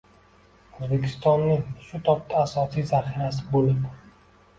O‘zbekistonning shu tobda asosiy zaxirasi bo‘lib